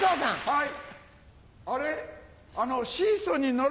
はい。